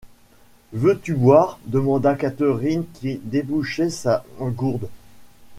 Veux-tu boire? demanda Catherine qui débouchait sa gourde.